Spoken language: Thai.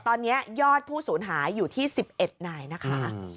ตอนนี้ยอดผู้สูญหายอยู่ที่๑๑นายนะคะ